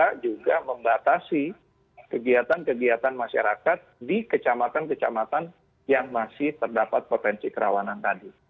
kita juga membatasi kegiatan kegiatan masyarakat di kecamatan kecamatan yang masih terdapat potensi kerawanan tadi